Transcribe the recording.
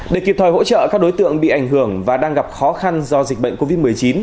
để kịp thời hỗ trợ các đối tượng bị ảnh hưởng và đang gặp khó khăn do dịch bệnh covid một mươi chín